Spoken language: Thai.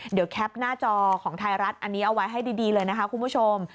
เดี๋ยวแคปหน้าจอของไทยรัฐอันนี้เอาไว้ให้ดีเลยนะคะคุณผู้ชม